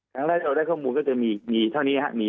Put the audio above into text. ครั้งแรกเราได้ข้อมูลก็จะมีเท่านี้ครับ